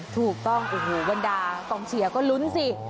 ถูกต้องวันดากล่องเฉียก็ลุ้นสิ